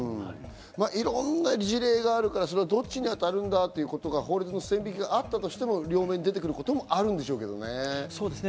いろんな事例があるから、どっちに当たるんだということが法律で線引きがあったとしても、両面に出てくることもあるんでしょうね。